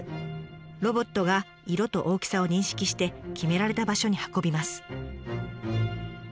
ロボットが色と大きさを認識して決められた場所に運びます。